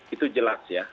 itu jelas ya